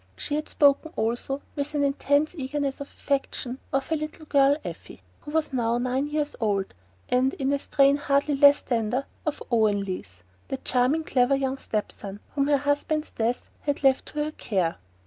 She had spoken also, with an intense eagerness of affection, of her little girl Effie, who was now nine years old, and, in a strain hardly less tender, of Owen Leath, the charming clever young stepson whom her husband's death had left to her care...